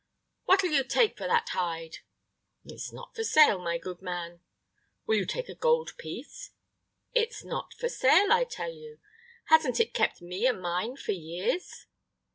"What'll you take for that hide?" "It's not for sale, my good man." "Will you take a gold piece?" "It's not for sale, I tell you. Hasn't it kept me and mine for years?"